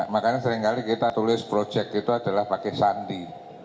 makanya seringkali kita tulis project itu adalah pakai sandi